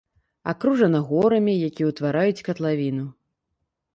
Акружана горамі, якія ўтвараюць катлавіну.